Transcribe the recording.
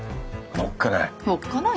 いやおっかない。